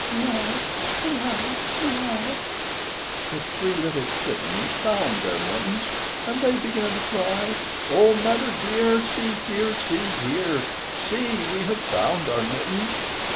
Mee ow, mee ow, mee ow. The three little kittens found their mittens, And they began to cry, O mother dear, See here, see here; See, we have found our mittens.